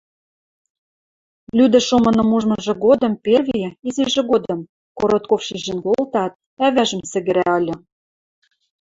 Лӱдӹш омыным ужмыжы годым перви, изижӹ годым, Коротков шижӹн колтаат, ӓвӓжӹм сӹгӹрӓ ыльы.